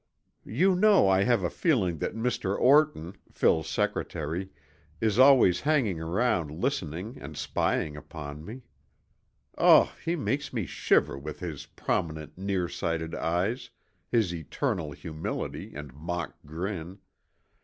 "You know I have a feeling that Mr. Orton, Phil's secretary, is always hanging around listening and spying upon me. Ugh, he makes me shiver with his prominent, near sighted eyes, his eternal humility and mock grin.